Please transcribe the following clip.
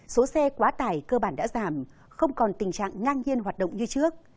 số xe quá tải cơ bản đã giảm không còn tình trạng ngang nhiên hoạt động như trước